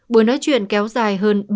buổi nói chuyện kéo dài hơn